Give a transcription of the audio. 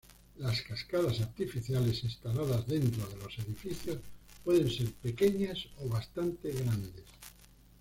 Las cascadas artificiales instaladas dentro de los edificios pueden ser pequeñas o bastante grandes.